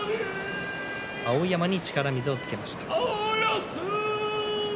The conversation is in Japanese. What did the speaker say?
碧山に力水をつけました。